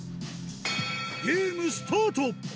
ゲームスタート！